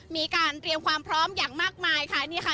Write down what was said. มีการเตรียมความพร้อมอย่างมากมายค่ะนี่ค่ะ